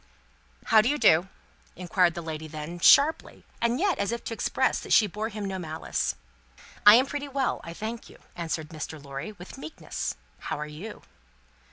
"How do you do?" inquired that lady then sharply, and yet as if to express that she bore him no malice. "I am pretty well, I thank you," answered Mr. Lorry, with meekness; "how are you?"